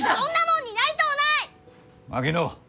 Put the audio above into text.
槙野